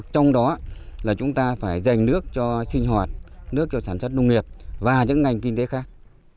trong đó là chúng ta phải dành nước cho sinh hoạt nước cho sản xuất nông nghiệp và những ngành kinh tế khác